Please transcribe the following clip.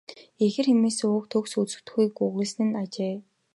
Ихэр хэмээсэн үг төгс үзэгдэхүйг өгүүлсэн нь." гэжээ.